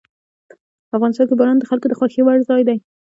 افغانستان کې باران د خلکو د خوښې وړ ځای دی.